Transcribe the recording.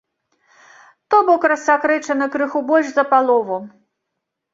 То бок, рассакрэчана крыху больш за палову.